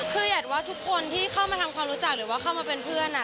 คือหยัดว่าทุกคนที่เข้ามาทำความรู้จักหรือว่าเข้ามาเป็นเพื่อน